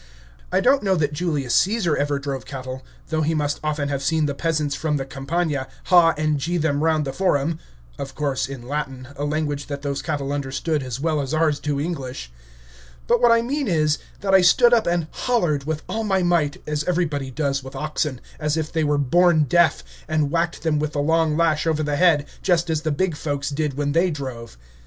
I don't know that Julius Caesar ever drove cattle, though he must often have seen the peasants from the Campagna "haw" and "gee" them round the Forum (of course in Latin, a language that those cattle understood as well as ours do English); but what I mean is, that I stood up and "hollered" with all my might, as everybody does with oxen, as if they were born deaf, and whacked them with the long lash over the head, just as the big folks did when they drove.